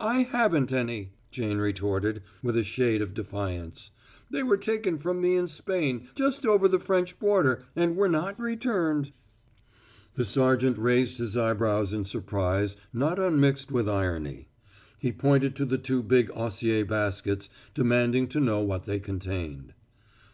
"I haven't any," Jane retorted, with a shade of defiance. "They were taken from me in Spain, just over the French border, and were not returned." The sergeant raised his eyebrows in surprise not unmixed with irony. He pointed to the two big osier baskets, demanding to know what they contained.